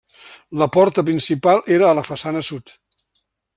La porta principal era a la façana sud.